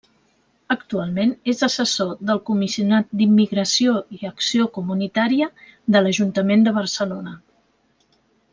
Actualment és assessor del Comissionat d'Immigració i Acció Comunitària de l'ajuntament de Barcelona.